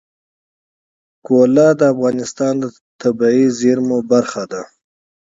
زغال د افغانستان د طبیعي زیرمو برخه ده.